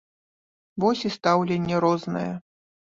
Вось і стаўленне рознае.